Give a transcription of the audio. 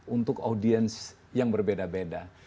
untuk audiens yang berbeda beda